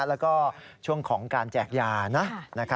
แล้วก็ช่วงของการแจกยานะ